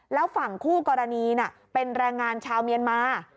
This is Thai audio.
แล้วฝั่งคู่กรณีเป็นแรงงานชาวเมียนมา